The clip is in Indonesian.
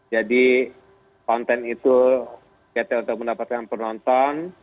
jadi konten itu kita lihat untuk mendapatkan penonton